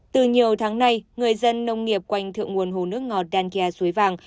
từ nhiều tháng nay người dân nông nghiệp quanh thượng nguồn hồ nước ngọt đan kìa suối vàng